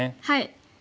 はい。